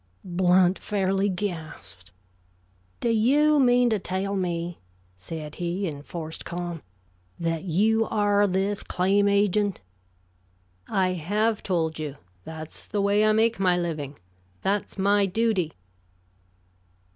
Blount fairly gasped. "Do you mean to tell me," said he, in forced calm, "that you are this claim agent?" "I have told you. That's the way I make my living. That's my duty."